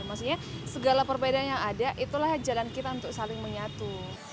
maksudnya segala perbedaan yang ada itulah jalan kita untuk saling menyatu